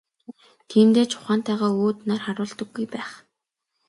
Тиймдээ ч ухаантайгаа өөд нар харуулдаггүй байх.